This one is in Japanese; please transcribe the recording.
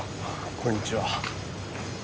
こんにちは。